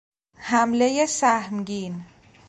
حملهی سهمگین